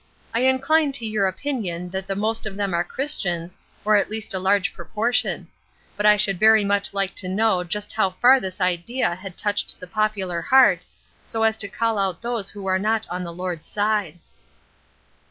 I incline to your opinion that the most of them are Christians, or at least a large proportion. But I should very much like to know just how far this idea had touched the popular heart, so as to call out those who are not on the Lord's side."